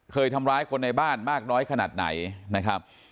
เคยทำร้ายคนในบ้านมากน้อยขนาดไหนนะครับ